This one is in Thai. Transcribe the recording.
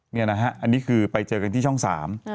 นี่นะฮะอันนี้คือไปเจอกันที่ช่องสาม